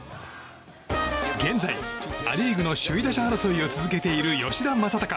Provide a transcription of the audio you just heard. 現在、ア・リーグの首位打者争いを続けている吉田正尚。